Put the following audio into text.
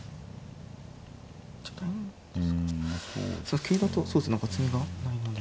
桂だとそうですね何か詰みがないのに。